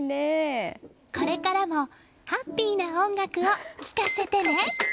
これからもハッピーな音楽を聴かせてね！